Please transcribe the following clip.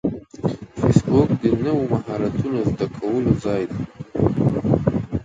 فېسبوک د نوو مهارتونو زده کولو ځای دی